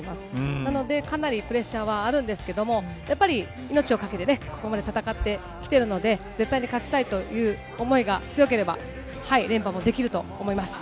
なので、かなりプレッシャーはあるんですけども、やっぱり、命をかけてここまで戦ってきているので、絶対に勝ちたいという思いが強ければ、連覇もできると思います。